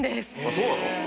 そうなの？